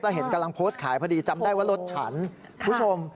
แล้วเห็นกำลังโพสต์ขายพอดีจำได้ว่ารถฉันคุณผู้ชม